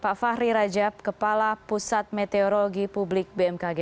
pak fahri rajab kepala pusat meteorologi publik bmkg